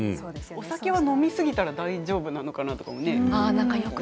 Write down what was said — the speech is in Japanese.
お酒は飲みすぎたら大丈夫なのかなとか。